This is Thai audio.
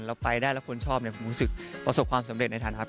แล้วไปได้แล้วคนชอบผมรู้สึกประสบความสำเร็จในฐานะครับ